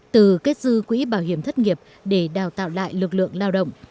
từ kết dư quỹ bảo hiểm thất nghiệp để đào tạo lại lực lượng lao động